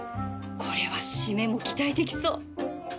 これは締めも期待できそう